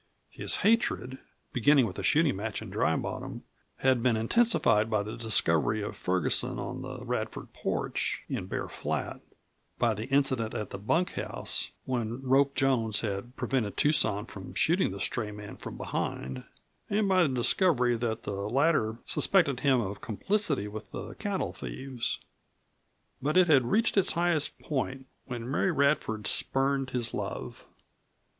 His hatred beginning with the shooting match in Dry Bottom had been intensified by the discovery of Ferguson on the Radford porch in Bear Flat; by the incident at the bunkhouse, when Rope Jones had prevented Tucson from shooting the stray man from behind, and by the discovery that the latter suspected him of complicity with the cattle thieves. But it had reached its highest point when Mary Radford spurned his love.